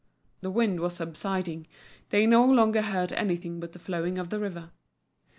The wind was subsiding, they no longer heard anything but the flowing of the river.